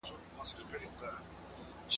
پدې سورت کي د شيطانانو بحث سته.